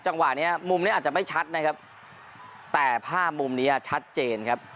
จังหวะเนี้ยมุมเนี้ยอาจจะไม่ชัดนะครับแต่ภาพมุมเนี้ยชัดเจนครับ